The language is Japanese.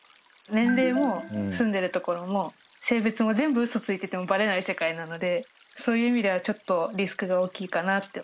年れいも住んでる所もせいべつも全部うそついててもバレない世界なのでそういう意味ではちょっとリスクが大きいかなって。